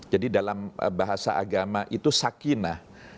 jadi dalam bahasa agama itu sakinah